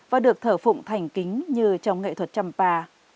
và được thở phụng thành kính như trong nghệ thuật trầm pa